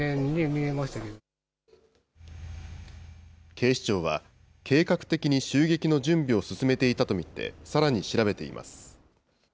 警視庁は、計画的に襲撃の準備を進めていたと見て、さらに調べています。